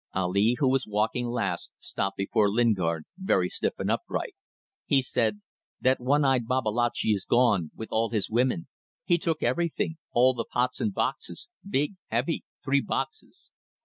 Ali, who was walking last, stopped before Lingard, very stiff and upright. He said "That one eyed Babalatchi is gone, with all his women. He took everything. All the pots and boxes. Big. Heavy. Three boxes."